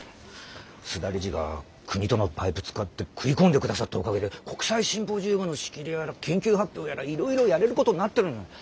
須田理事が国とのパイプ使って食い込んでくださったおかげで国際シンポジウムの仕切りやら研究発表やらいろいろやれることになってるんだ。